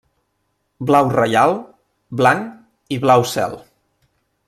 Blau reial, blanc i blau cel.